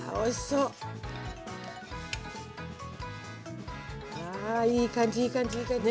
うわいい感じいい感じいい感じ。